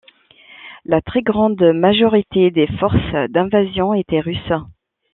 La très grande majorité des forces d'invasion étaient russes.